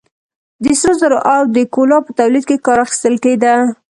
د سرو زرو او د کولا په تولید کې کار اخیستل کېده.